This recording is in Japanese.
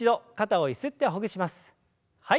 はい。